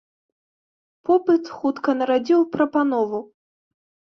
Попыт хутка нарадзіў прапанову.